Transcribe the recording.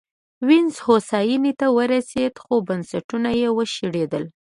وینز هوساینې ته ورسېد خو بنسټونه یې وشړېدل